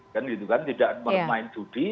dan gitu kan tidak bermain judi